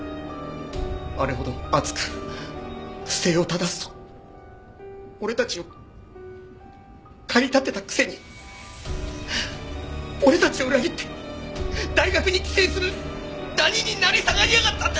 あれほど熱く不正をただすと俺たちを駆り立てたくせに俺たちを裏切って大学に寄生するダニに成り下がりやがったんだ！